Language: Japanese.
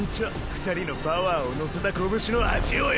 二人のパワーを乗せた拳の味をよ。